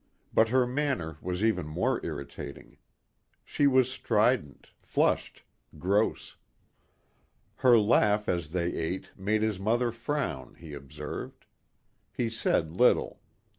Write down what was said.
But her manner was even more irritating. She was strident, flushed, gross. Her laugh as they ate made his mother frown, he observed. He said little.